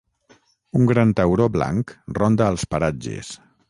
Un gran tauró blanc ronda als paratges.